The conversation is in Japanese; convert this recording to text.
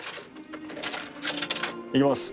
いきます。